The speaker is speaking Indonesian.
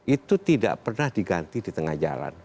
itu tidak pernah diganti di tengah jalan